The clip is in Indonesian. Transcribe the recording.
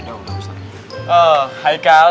oh hai kal